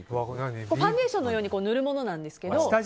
ファンデーションのように塗るものなんですけど。